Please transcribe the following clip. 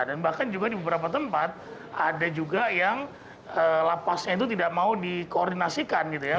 dan juga di beberapa tempat ada juga yang lapasnya itu tidak mau dikoordinasikan gitu ya